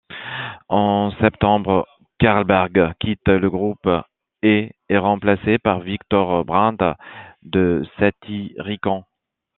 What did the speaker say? En septembre, Carlberg quitte le groupe et est remplacé par Victor Brandt de Satyricon.